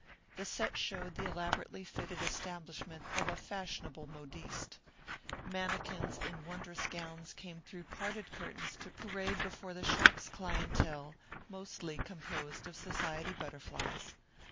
The set showed the elaborately fitted establishment of a fashionable modiste. Mannequins in wondrous gowns came through parted curtains to parade before the shop's clientele, mostly composed of society butterflies.